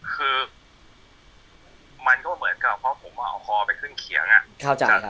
คือมันก็เหมือนกับเพราะผมเอาคอไปขึ้นเขียงอ่ะ